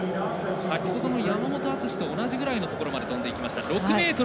先ほどの山本篤と同じぐらいのところまで跳んでいきました。